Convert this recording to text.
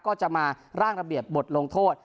ก็จะมาร่างระเบียบบทลงโทษ